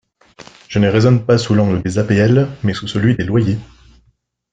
Je ne raisonne pas sous l’angle des APL mais sous celui des loyers.